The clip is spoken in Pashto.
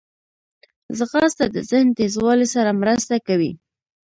ځغاسته د ذهن تیزوالي سره مرسته کوي